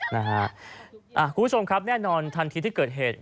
คุณผู้ชมครับแน่นอนทันทีที่เกิดเหตุ